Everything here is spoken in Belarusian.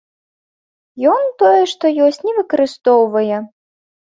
Ён тое, што ёсць, не выкарыстоўвае.